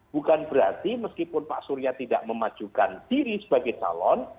bukan berarti meskipun pak surya tidak memajukan diri sebagai calon